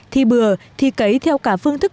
thi bừa thi cấy theo cả phương thức